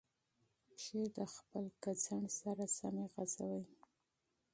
پښې د خپلې کمپلې سره سمې وغځوئ.